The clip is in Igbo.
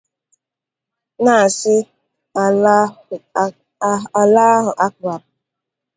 na-asị “Allahu Akbar.”